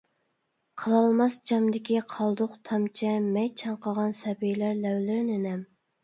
قىلالماس جامدىكى قالدۇق تامچە مەي چاڭقىغان سەبىيلەر لەۋلىرىنى نەم.